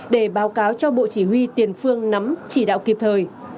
để báo cáo cho bộ chỉ huy tiền phương nắm chỉ đạo kịp thời